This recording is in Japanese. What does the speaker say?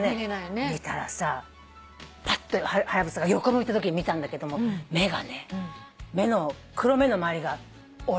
見たらさぱっとハヤブサが横向いたときに見たんだけども目がね黒目の周りがオレンジなの。